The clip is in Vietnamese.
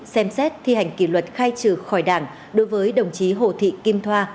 xem xét thi hành kỷ luật khai trừ khỏi đảng đối với đồng chí hồ thị kim thoa